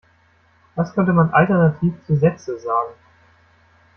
Was könnte man alternativ zu Sätze sagen?